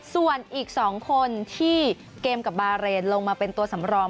ส่วนอีก๒คนที่เกมกับบาเรนลงมาเป็นตัวสำรอง